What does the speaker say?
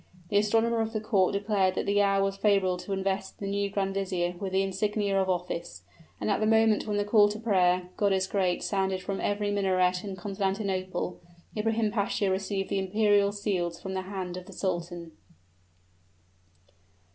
The astronomer of the court declared that the hour was favorable to invest the new grand vizier with the insignia of office; and at the moment when the call to prayer, "God is great!" sounded from every minaret in Constantinople, Ibrahim Pasha received the imperial seals from the hand of the sultan.